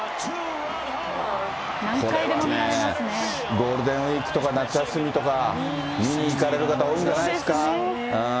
ゴールデンウィークとか夏休みとか、見に行かれる方、多いんじゃないですか。